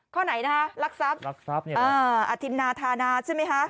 ข้อไหนลักษัพอธิบนาธานาใช่ไหมคะ